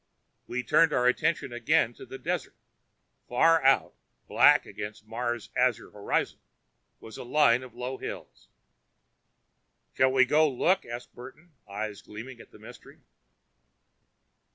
We turned our attention again to the desert. Far out, black against Mars' azure horizon, was a line of low hills. "Shall we go look?" asked Burton, eyes gleaming at the mystery.